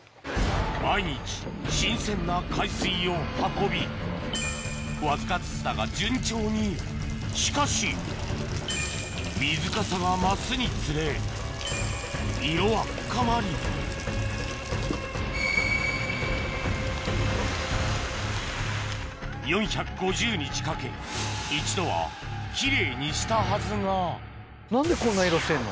毎日新鮮な海水を運びわずかずつだが順調にしかし水かさが増すにつれ色は深まり４５０日かけ一度は奇麗にしたはずが何でこんな色してるの？